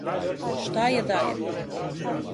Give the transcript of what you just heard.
Шта је, да је.